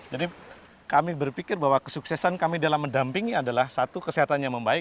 jadi kami berpikir bahwa kesuksesan kami dalam mendampingi adalah satu kesehatan yang membaik